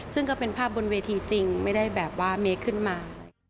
ซึ่งก็เป็นภาพบนเวทีจริงไม่ได้แบบว่าเมคขึ้นมา